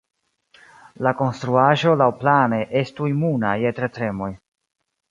La konstruaĵo laŭplane estu imuna je tertremoj.